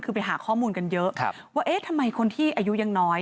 คือไปหาข้อมูลกันเยอะว่าเอ๊ะทำไมคนที่อายุยังน้อย